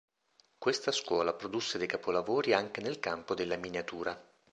Questa scuola produsse dei capolavori anche nel campo della miniatura.